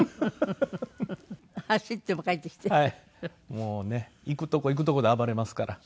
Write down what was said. もうね行くとこ行くとこで暴れますから。